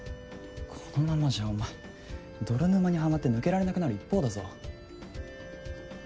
このままじゃお前泥沼にはまって抜けられなくなる一方だぞ。